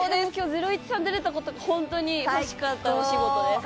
『ゼロイチ』さん、出れたことが本当にうれしかったお仕事です！